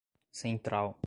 central